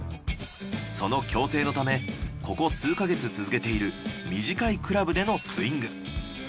その矯正のためここ数か月続けている短いクラブでのスイング。